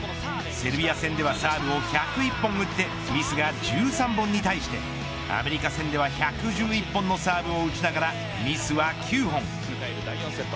セルビア戦ではサーブを１０１本打ってミスが１３本に対してアメリカ戦では１１１本のサーブを打ちながらミスは９本。